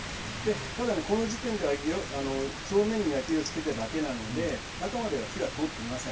ただねこの時点では表面に焼き色つけただけなので中までは火は通っていません。